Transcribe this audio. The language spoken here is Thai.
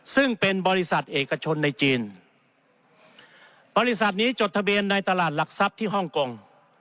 ซึ่งเป็นบริษัทเอกชนในจีนบริษัทนี้จดทะเบียนในตลาดหลักทรัพย์ที่ฮ่องกง